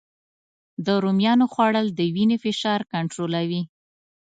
د رومیانو خوړل د وینې فشار کنټرولوي